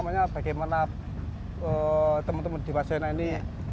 untuk bagaimana teman teman di depas sena ini